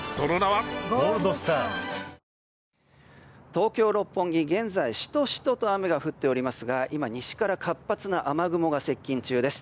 東京・六本木、現在しとしとと雨が降っていますが今、西から活発な雨雲が接近中です。